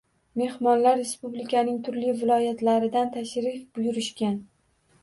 Mehmonlar Respublikaning turli viloyatlaridan tashrif buyurishgan.